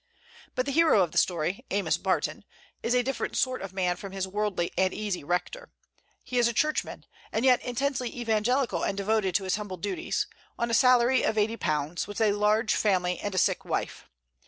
But the hero of the story Amos Barton is a different sort of man from his worldly and easy rector. He is a churchman, and yet intensely evangelical and devoted to his humble duties, on a salary of £80, with a large family and a sick wife.